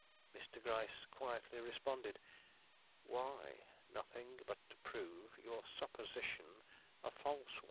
Mr. Gryce quietly responded: "Why, nothing but to prove your supposition a false one."